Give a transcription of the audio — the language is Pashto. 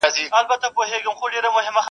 ککرۍ دي چي له تن څخه بېلیږي -